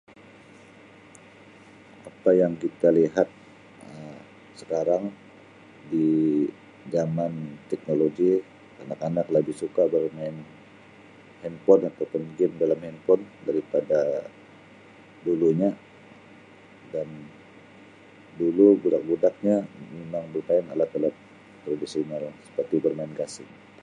Apa yang kita lihat Um sekarang di zaman teknologi kanak-kanak lebih suka bermain handphone ataupun game dalam handphone daripada dulunya dan dulu budak-budaknya mimang bemain alat-alat tradisional seperti bermain gasing.